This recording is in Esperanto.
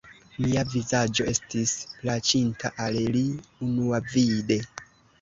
Mia vizaĝo estis plaĉinta al li unuavide.